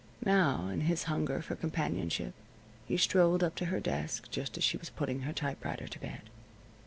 Now, in his hunger for companionship, he, strolled up to her desk, just as she was putting her typewriter to bed.